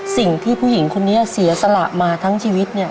สิ่งที่ผู้หญิงคนนี้เสียสละมาทั้งชีวิตเนี่ย